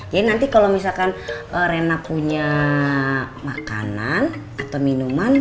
jadi nanti kalau misalkan reina punya makanan atau minuman